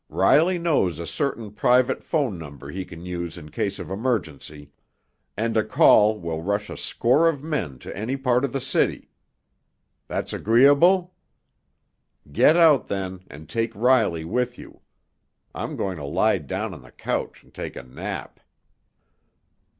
Riley knows a certain private phone number he can use in case of emergency, and a call will rush a score of men to any part of the city. That's agreeable? Get out, then, and take Riley with you! I'm going to lie down on the couch and take a nap."